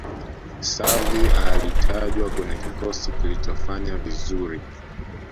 xavi alitajwa kwenye kikosi kilichofanya vizuri